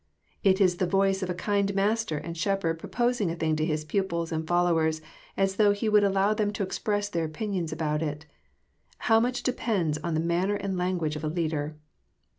*' It is the voice of a kind Master and Shepherd proposing a thing to His pupils and followers, as though He would allow them to express their opinions about it. How much depends on the manner and language of a leader